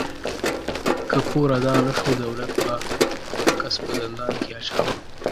که پور ادا نهشو، دولت به کس په زندان کې اچاوه.